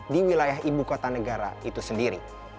di wilayah ibu kota negara itu sendiri